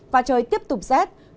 và trời tiếp tục giảm mạnh